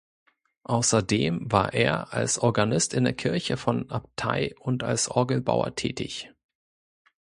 Außerdem war er als Organist in der Kirche von Abtei und als Orgelbauer tätig.